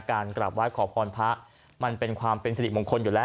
การกราบว่าขอพรพ่ามันเป็นความเป็นสฤทธิของคนอยู่แล้ว